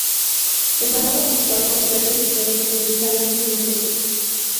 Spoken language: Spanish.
El tratado suscitó controversias entre los republicanos irlandeses.